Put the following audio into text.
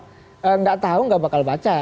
tidak tahu tidak akan baca